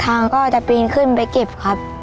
ทำเป็นผู้สาเชื่อมให้น้องรักปั่นจักรยานไปขายตามหมู่บ้านค่ะ